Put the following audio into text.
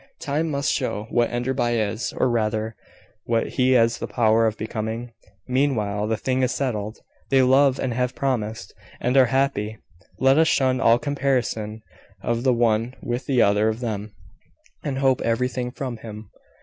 Time must show what Enderby is or rather, what he has the power of becoming. Meanwhile, the thing is settled. They love and have promised, and are happy. Let us shun all comparison of the one with the other of them, and hope everything from him."